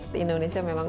di indonesia memang